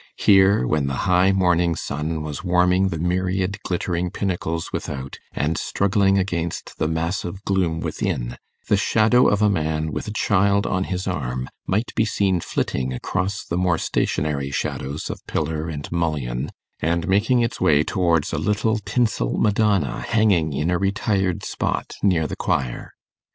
Here, when the high morning sun was warming the myriad glittering pinnacles without, and struggling against the massive gloom within, the shadow of a man with a child on his arm might be seen flitting across the more stationary shadows of pillar and mullion, and making its way towards a little tinsel Madonna hanging in a retired spot near the choir.